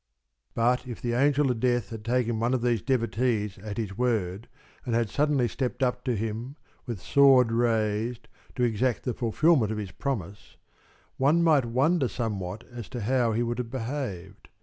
But if the Angel of Death had taken one of these devotees at his word and had suddenly stepped up to him, with sword raised, to exact the fulfilment of his promise, one might wonder somewhat as to how he would have behaved.